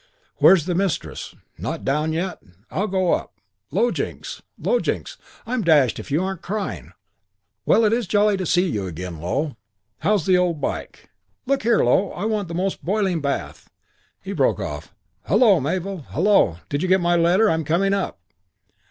Where's the Mistress? Not down yet? I'll go up. Low Jinks Low Jinks, I'm dashed if you aren't crying! Well, it is jolly nice to see you again, Low. How's the old bike? Look here, Low, I want the most boiling bath " He broke off. "Hullo, Mabel! Hullo! Did you get my letter? I'm coming up."